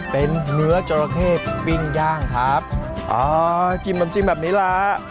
เป็นเนื้อจราเข้ปิ้งย่างครับอ๋อจิ้มน้ำจิ้มแบบนี้แหละ